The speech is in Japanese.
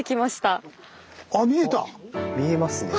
見えますね。